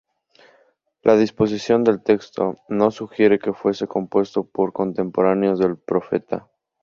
La disposición del texto no sugiere que fuese compuesto por contemporáneos del profeta.